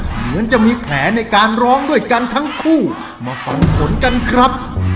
เหมือนจะมีแผลในการร้องด้วยกันทั้งคู่มาฟังผลกันครับ